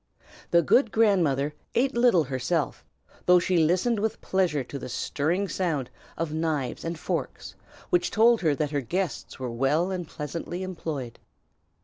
The good grandmother ate little herself, though she listened with pleasure to the stirring sound of knives and forks, which told her that her guests were well and pleasantly employed.